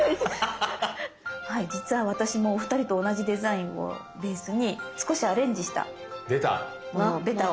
実は私もお二人と同じデザインをベースに少しアレンジしたものをベタを。